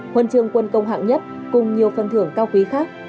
khuôn trương quân công hạng nhất cùng nhiều phân thưởng cao quý khác